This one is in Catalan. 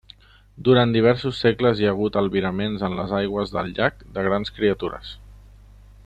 Durant diversos segles hi ha hagut albiraments en les aigües del llac de grans criatures.